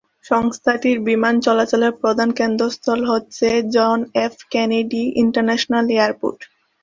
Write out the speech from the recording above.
সংস্থাটির বিমান চলাচলের প্রধান কেন্দ্রস্থল হচ্ছে John F Kennedy International airport.